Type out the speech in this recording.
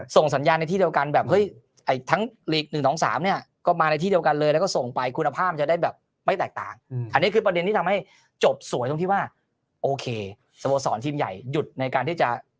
ส่งสัญญาณในที่เดียวกันทั้งธิบาลเร